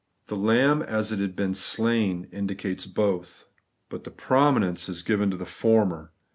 The ' lamb as it had been slain' indicates both. But the pro minence is given to the former.